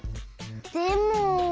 でも。